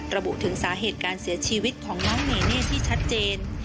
ระบุถึงสาเหตุการเสียชีวิตของน้องเมเน่ที่ชัดเจน